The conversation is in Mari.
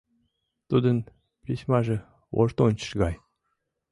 Тудын письмаже воштончыш гай.